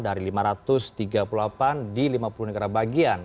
dari lima ratus tiga puluh delapan di lima puluh negara bagian